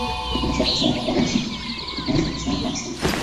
এখানের সবকিছু আমার কান শুনে।